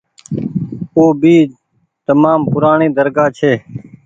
او ڀي تمآم پورآڻي درگآه ڇي۔